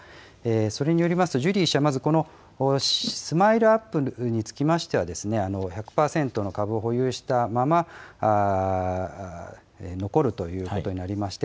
それによりますと、ジュリー氏はまず、このＳＭＩＬＥーＵＰ．につきましては、１００％の株を保有したまま、残るということになりまして、